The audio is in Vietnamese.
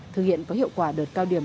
thực hiện có hiệu quả đợt cao điểm